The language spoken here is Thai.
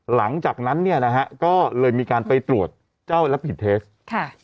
หลังจากนั้นเนี่ยนะฮะก็เลยมีการไปตรวจเจ้ารับผิดเทสค่ะ